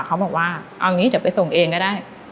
เขาบอกว่าเอานี้จะไปส่งเองก็ได้